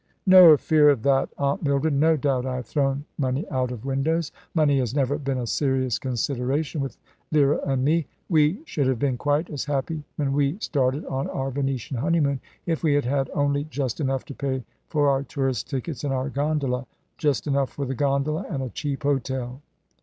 "No fear of that, Aunt Mildred. No doubt I have thrown money out of windows. Money has never been a serious consideration with Vera and me. We should have been quite as happy when we started on our Venetian honeymoon if we had had only just enough to pay for our tourists' tickets and our gondola, just enough for the gondola and a cheap hotel.